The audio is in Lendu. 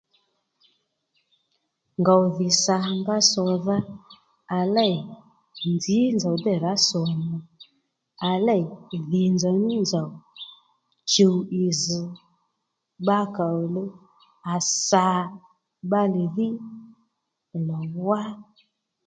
Ngòw dhì sà nga sòdha à lêy nzǐ nzòw dêy rǎ sòmù ò à lêy dhì nzòw ní nzòw chùw ì zz̀ bbakà òluw à sà bbalè dhí lò wá